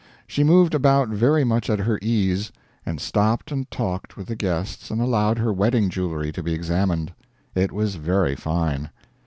She moved about very much at her ease, and stopped and talked with the guests and allowed her wedding jewelry to be examined. It was very fine.